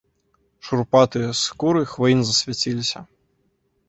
Шурпатыя скуры хваін засвяціліся.